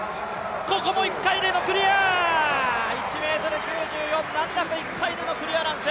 ここも１回でのクリア、１ｍ９４、難なく１回目でのクリアランス。